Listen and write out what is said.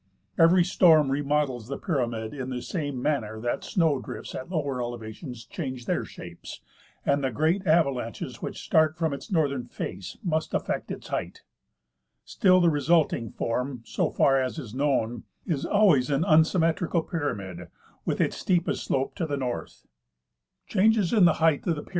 Every storm remodels the pyra mid in the same manner that snow drifts at lower elevations change their shapes, and the great avalanches which start from its northern face must affect its height. Still the resulting form, so far as is known, is always an unsymmetrical pyramid, with its steepest slope to the north. Changes in the height of the pyra * Nat. Geog. Mag., vol. ili, 1891, p. 143. (215) 216 I.